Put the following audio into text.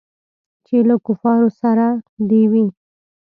چې له کفارو سره دې وي.